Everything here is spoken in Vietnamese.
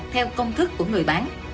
theo công thức của người bán